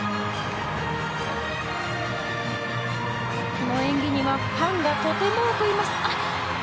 この演技にはファンがとても多くいます。